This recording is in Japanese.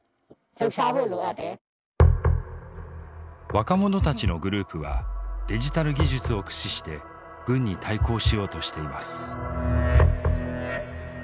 若者たちのグループはデジタル技術を駆使して軍に対抗しようとしています。